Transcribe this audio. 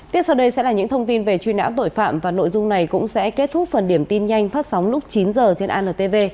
tiếp sau đây sẽ là những thông tin về truy nã tội phạm và nội dung này cũng sẽ kết thúc phần điểm tin nhanh phát sóng lúc chín h trên antv